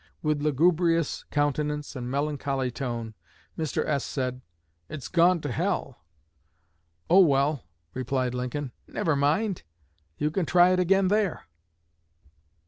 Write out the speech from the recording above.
With lugubrious countenance and melancholy tone, Mr. S. said, 'It's gone to hell!' 'Oh, well!' replied Lincoln, 'Never mind, you can try it again there!'"